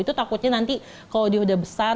itu takutnya nanti kalau dia udah besar